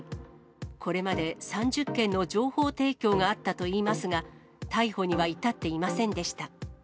これまで３０件の情報提供があったといいますが、逮捕には至っていませんでした。